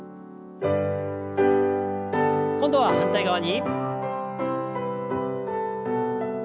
今度は反対側に。